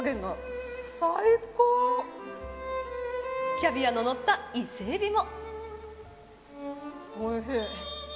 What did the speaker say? キャビアののった伊勢エビも。